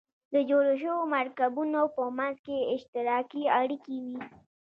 د جوړو شوو مرکبونو په منځ کې اشتراکي اړیکې وي.